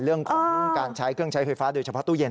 เรื่องของการใช้เครื่องใช้ไฟฟ้าโดยเฉพาะตู้เย็น